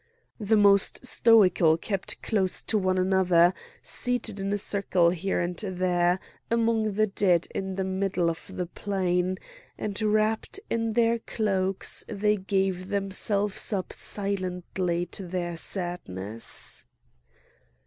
The most stoical kept close to one another, seated in a circle here and there, among the dead in the middle of the plain; and wrapped in their cloaks they gave themselves up silently to their sadness.